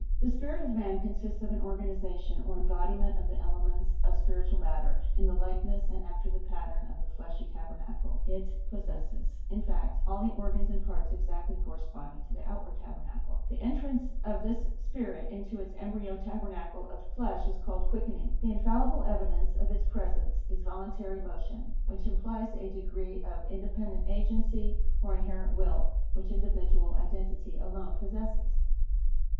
The spirit of man consists of an organization, or embodiment of the elements of spiritual matter, in the likeness and after the pattern of the fleshly tabernacle. It possesses, in fact, all the organs and parts exactly corresponding to the outward tabernacle. The entrance of this spirit into its embryo tabernacle of flesh, is called quickening. The infallible evidence of its presence is voluntary motion, which implies a degree of independent agency, or inherent will, which individual identity alone possesses.